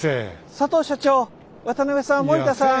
佐藤所長渡邊さん森田さん